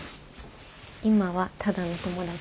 今はただの友達。